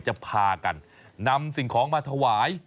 จะพากันนำสิ่งของมาถวาย